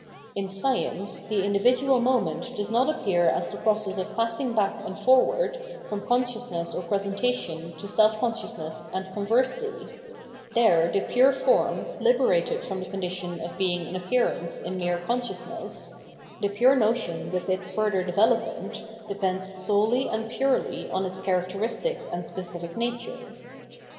In Science the individual moment does not appear as the process of passing back and forward from consciousness or presentation to self consciousness and conversely: there the pure form, liberated from the condition of being an appearance in mere consciousness, — the pure notion with its further development, depends solely and purely 820 PTmnowienology of Mind on its chaiacteristic and specific nature.